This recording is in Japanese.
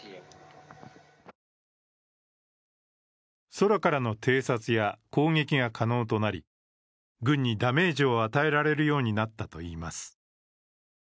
空からの偵察や攻撃が可能となり、軍にダメージを与えられるようになったといいます。